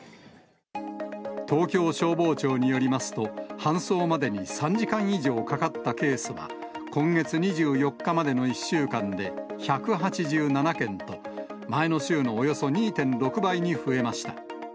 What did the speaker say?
東京消防庁によりますと、搬送までに３時間以上かかったケースは、今月２４日までの１週間で１８７件と、前の週のおよそ２．６倍に増えました。